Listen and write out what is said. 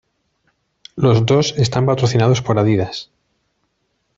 Los dos están patrocinados por Adidas.